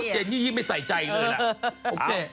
เจนนี่ยิ่งไม่ใส่ใจเลยละ